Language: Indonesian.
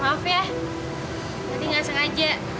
maaf ya jadi nggak sengaja